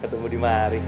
ketemu di mari